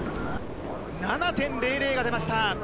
７．００が出ました。